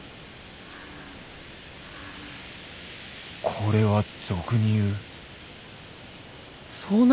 これは俗に言う遭難！？